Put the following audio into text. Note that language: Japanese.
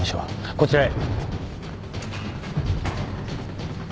こちらへ。